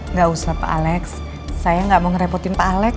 nggak usah pak alex saya nggak mau ngerepotin pak alex